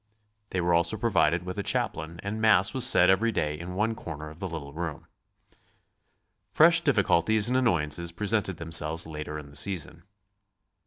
They were also provided with a chaplain and Mass was said every day in one corner of the little room. Fresh difficulties and annoyances presented themselves later in the season.